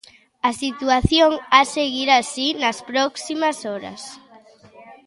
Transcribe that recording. A situación ha seguir así nas próximas horas.